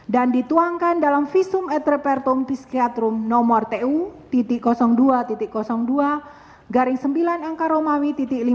dan dituangkan dalam visum et repertum psikiatrum nomor tu dua dua sembilan angka romawi lima belas sepuluh